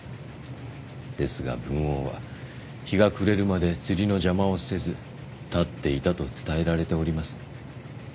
ですが文王は日が暮れるまで釣りの邪魔をせず立っていたと伝えられております。